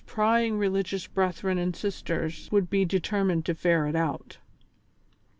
185 prying religious bretliren and sisters would be determined to ferret out.